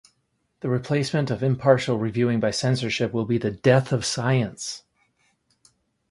The replacement of impartial reviewing by censorship will be the death of science.